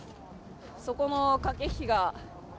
そこの駆け引きが。